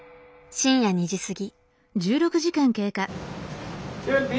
深夜２時過ぎ。